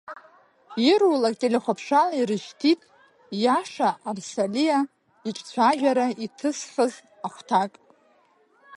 Ирулак телехәаԥшрала ирышьҭит Иаша Арсалиа иҿцәажәара иҭысхыз ахәҭак.